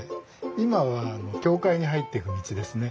今は教会に入っていく道ですね。